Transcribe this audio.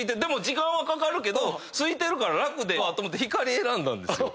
時間かかるけどすいてるから楽でええと思ってひかり選んだんですよ。